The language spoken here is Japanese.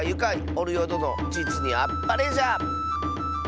おるよどのじつにあっぱれじゃ！